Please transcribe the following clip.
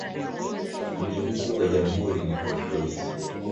Mji mkuu wa jamhuri ni Port Louis.